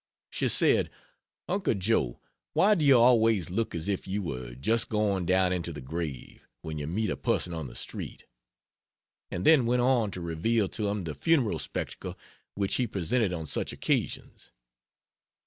She said: "Uncle Joe, why do you always look as if you were just going down into the grave, when you meet a person on the street?" and then went on to reveal to him the funereal spectacle which he presented on such occasions.